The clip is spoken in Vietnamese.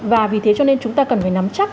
và vì thế cho nên chúng ta cần phải nắm chắc